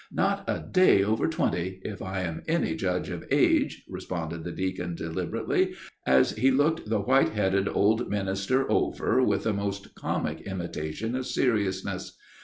"Not a day over twenty, if I am any judge of age," responded the deacon deliberately, as he looked the white headed old minister over with a most comic imitation of seriousness.